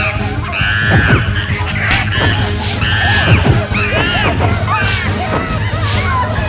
pakai jelek takut